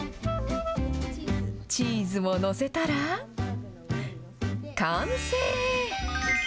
チーズも載せたら、完成。